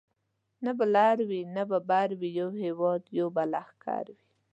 نه به لر وي نه به بر وي یو هیواد یو به لښکر وي